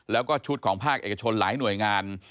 แล้วก็ชุดของภาคเอกชนหลายหน่วยงาน